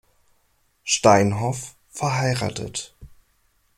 Steinhoff, verheiratet.